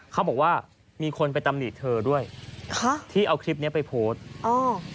เขาบอกว่ามีคนไปตำหนิเธอด้วยค่ะที่เอาคลิปเนี้ยไปโพสต์อ๋อ